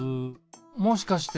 もしかして！